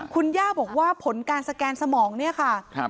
คุณย่าบอกว่าผลการสแกนสมองเนี่ยค่ะ